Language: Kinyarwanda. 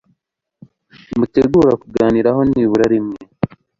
mutegura kuganiraho nibura rimwe